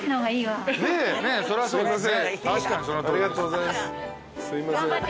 ねっすいません。